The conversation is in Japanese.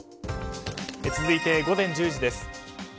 続いて午前１０時です。